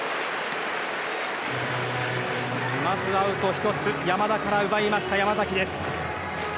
まずアウト１つ山田から奪いました、山崎。